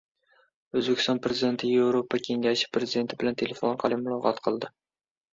O‘zbekiston Prezidenti Yevropa kengashi Prezidenti bilan telefon orqali muloqot qildi